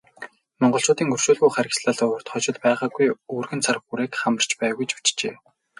Монголчуудын өршөөлгүй харгислал урьд хожид байгаагүй өргөн цар хүрээг хамарч байв гэж бичжээ.